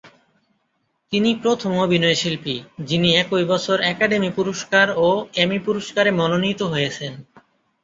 তিনি প্রথম অভিনয়শিল্পী, যিনি একই বছর একাডেমি পুরস্কার ও এমি পুরস্কারে মনোনীত হয়েছেন।